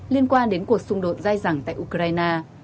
liên quan đến cuộc xung đột dai dẳng tại ukraine